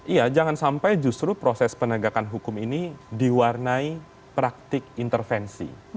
iya jangan sampai justru proses penegakan hukum ini diwarnai praktik intervensi